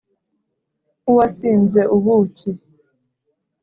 nk'uwasinze ubuki